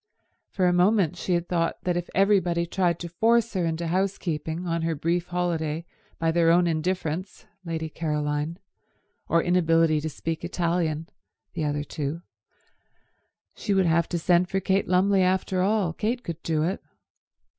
For a moment she had thought that if everybody tried to force her into housekeeping on her brief holiday by their own indifference (Lady Caroline), or inability to speak Italian (the other two), she would have to send for Kate Lumley after all. Kate could do it.